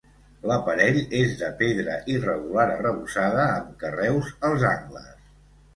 L'aparell és de pedra irregular arrebossada amb carreus als angles.